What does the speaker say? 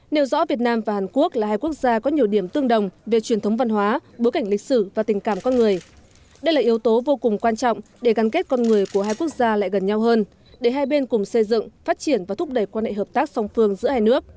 nêu rõ việt nam và hàn quốc là hai quốc gia có nhiều điểm tương đồng về truyền thống văn hóa bối cảnh lịch sử và tình cảm con người đây là yếu tố vô cùng quan trọng để gắn kết con người của hai quốc gia lại gần nhau hơn để hai bên cùng xây dựng phát triển và thúc đẩy quan hệ hợp tác song phương giữa hai nước